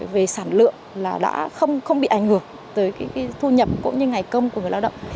về sản lượng đã không bị ảnh hưởng tới thu nhập cũng như ngày công của người lao động